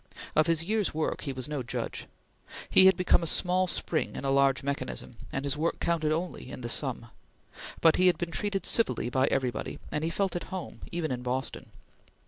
Of his year's work he was no judge. He had become a small spring in a large mechanism, and his work counted only in the sum; but he had been treated civilly by everybody, and he felt at home even in Boston.